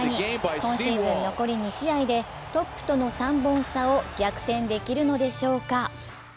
今シーズン残り２試合でトップとの３本差を逆転できるのでしょうか？